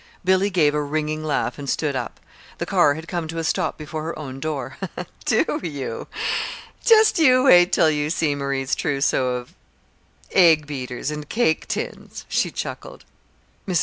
Billy gave a ringing laugh and stood up. The car had come to a stop before her own door. "Do you? Just you wait till you see Marie's trousseau of egg beaters and cake tins," she chuckled. Mrs.